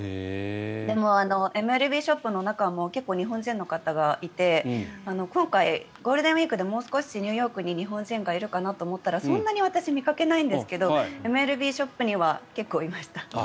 でも、ＭＬＢショップの中も結構、日本人の方がいて今回、ゴールデンウィークでもう少しニューヨークに日本人がいるかと思ったらそんなに私、見かけないんですけどＭＬＢショップには結構いました。